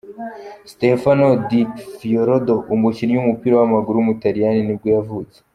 Stefano Di Fiordo, umukinnyi w’umupira w’amaguru w’umutaliyani nibwo yavutse.